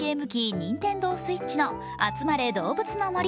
ＮｉｎｔｅｎｄｏＳｗｉｔｃｈの「あつまれどうぶつの森」。